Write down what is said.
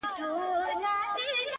زه زما او ستا و دښمنانو ته”